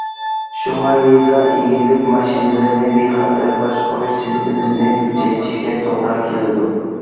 شۇڭا، يېزا ئىگىلىك ماشىنىلىرىنى بىخەتەر باشقۇرۇش سىستېمىسىنى كۈچەيتىشكە توغرا كېلىدۇ.